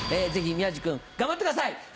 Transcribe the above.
ぜひ宮治君頑張ってください！